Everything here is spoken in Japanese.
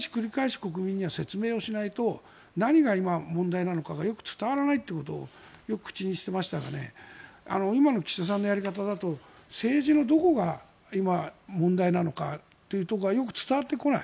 国民には説明をしないと何が今、問題なのかがよく伝わらないことをよく口にしてましたが今の岸田さんのやり方だと政治のどこが今、問題なのかというところがよく伝わってこない。